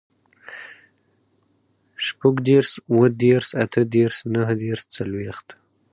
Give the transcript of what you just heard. شپوږدېرس, اوهدېرس, اتهدېرس, نهدېرس, څلوېښت